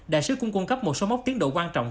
đại sứ cũng cung cấp một số mốc tiến độ quan trọng